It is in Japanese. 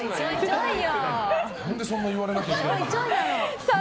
何でそんな言われなきゃいけないんだろう。